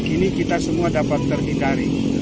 ini kita semua dapat terhindari